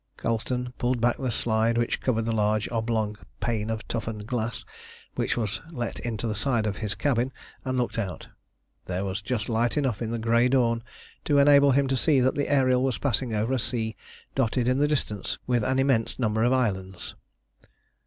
Colston pulled back the slide which covered the large oblong pane of toughened glass which was let into the side of his cabin and looked out. There was just light enough in the grey dawn to enable him to see that the Ariel was passing over a sea dotted in the distance with an immense number of islands.